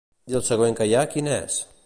I el següent que hi ha quin és?